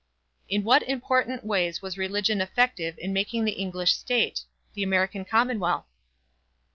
In what important ways was religion effective in making the English state? The American commonwealth?